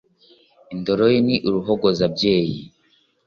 Indoro ye ni uruhogozambyeyi,